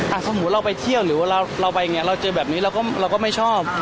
สมมุติเราไปเที่ยวหรือว่าเราไปอย่างนี้เราเจอแบบนี้เราก็เราก็ไม่ชอบ